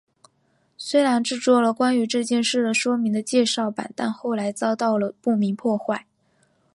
虽然制作了关于这件事的说明的介绍板但后来遭到了不明破坏。